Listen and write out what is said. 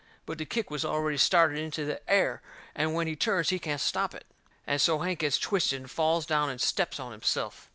But the kick was already started into the air, and when he turns he can't stop it. And so Hank gets twisted and falls down and steps on himself.